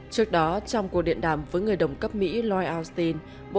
trước đó trong cuộc điện đàm với người đồng minh